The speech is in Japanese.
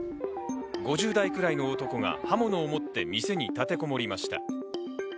５０代くらいの男が刃物を持って店に立てこもりました。